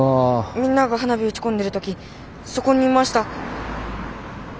みんなが花火打ち込んでる時そこにいました。